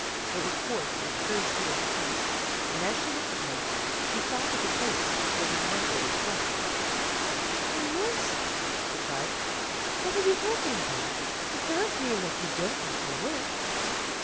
It was hoarse and curiously intense, and as she looked at him, she saw that his face was un naturally flushed. "Why, Nelson," she cried, "What are you 132 PEGGY RAYMOND'S WAY talking about! You can't mean that you don't like your work."